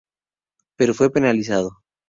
Pero fue penalizado.